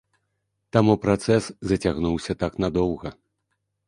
Таму працэс зацягнуўся так надоўга.